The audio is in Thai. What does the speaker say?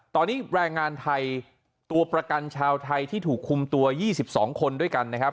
ตอนนี้แรงงานไทยตัวประกันชาวไทยที่ถูกคุมตัว๒๒คนด้วยกันนะครับ